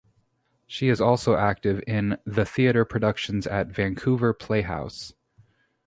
She is also active in the theater productions at Vancouver Playhouse.